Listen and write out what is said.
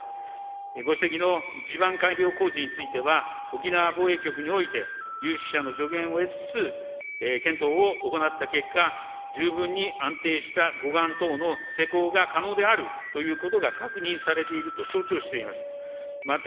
ご指摘の地盤改良工事については、沖縄防衛局において、有識者の助言を得つつ、検討を行った結果、十分に安定した護岸等の施工が可能であるということが確認されていると承知をしています。